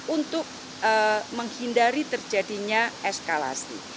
untuk menghindari terjadinya eskalasi